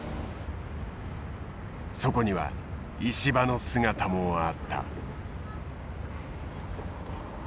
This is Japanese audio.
そこには石破の姿もあった。